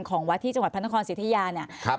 ของวัดที่จังหวัดพระนครสิทธิยาเนี่ย